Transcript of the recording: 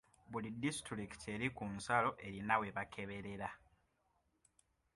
Buli disitulikiti eri ku nsalo erina we bakeberera.